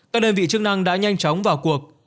các đơn vị chức năng đã nhanh chóng vào cuộc